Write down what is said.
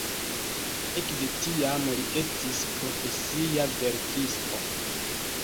Ekde tiam li estis profesia verkisto.